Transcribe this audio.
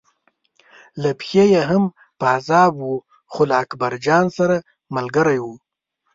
له پښې یې هم پازاب و خو له اکبرجان سره ملګری و.